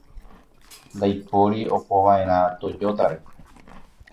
Ndaipóri opova'erã Toyóta-re.